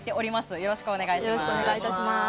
よろしくお願いします。